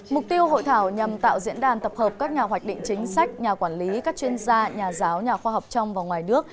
mục tiêu hội thảo nhằm tạo diễn đàn tập hợp các nhà hoạch định chính sách nhà quản lý các chuyên gia nhà giáo nhà khoa học trong và ngoài nước